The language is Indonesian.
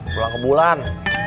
pulang ke bulan